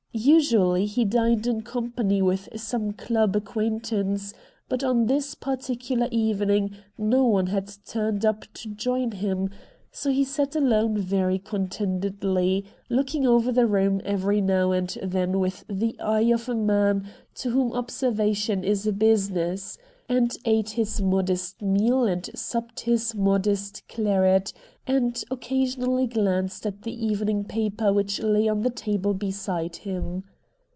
Usually he dined in company with some club acquaint ance, but on this particular evening no one had turned up to join him, so he sat alone very contentedly, looking over the room every now 26 RED DIAMONDS and then with the eye of a man to whom ob servation is a business, and ate his modest meal and supped his modest claret, and occa sionally glanced at the evening paper which lay on the table beside him.